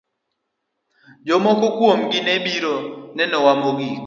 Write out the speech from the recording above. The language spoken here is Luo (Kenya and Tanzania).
Jomoko kuomgi ne obiro nenowa mogik.